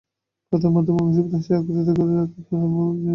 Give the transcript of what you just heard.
কাটার মাধ্যমে তার অভিশপ্ত হাত সে আঁকড়ে রাখে আমাদের ভূমি দিনরাত।